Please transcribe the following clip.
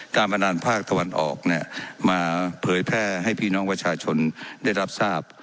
การพนันภาคตะวันออกเนี่ยมาเผยแพร่ให้พี่น้องประชาชนได้รับทราบ